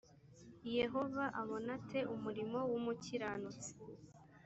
yehova abona ate umurimo w’umukiranutsi‽